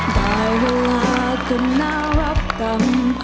ได้เวลาก็น่ารับกรรม